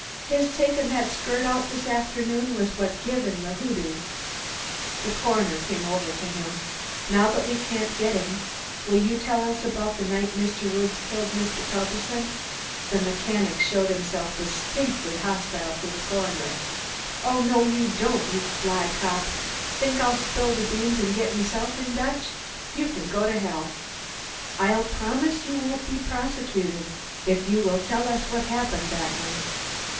His takin' that skirt out this afternoon was what give him the hoodoo." The coroner came over to him. "Now that we can't get him, will you tell us about the night Mr. Woods killed Mr. Felderson?" The mechanic showed himself distinctly hostile to the coroner. "Oh, no you don't, you fly cop! Think I'll spill the beans and get meself in Dutch? You can go to hell!" "I'll promise you won't be prosecuted if you will tell us what happened that night."